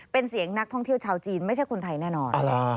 เป็นเสียงนักท่องเที่ยวชาวจีนไม่ใช่คนไทยแน่นอน